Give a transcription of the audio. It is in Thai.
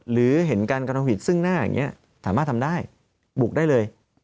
หรือเห็นการกระทำผิดซึ่งหน้าอย่างนี้สามารถทำได้บุกได้เลย